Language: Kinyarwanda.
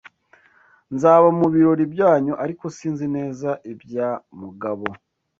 Nzaba mu birori byanyu, ariko sinzi neza ibya Mugabo.